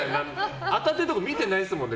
当たってるところ見てないですもんね。